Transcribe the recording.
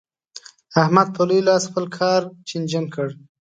احمد په لوی لاس خپل کار چينجن کړ.